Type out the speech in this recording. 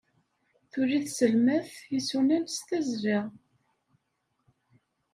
Tuli tselmadt isunan s tazzla.